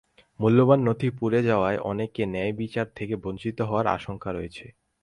মূল্যবান নথি পুড়ে যাওয়ায় অনেকে ন্যায়বিচার থেকে বঞ্চিত হওয়ার আশঙ্কা রয়েছে।